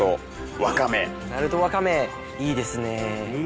鳴門ワカメいいですね。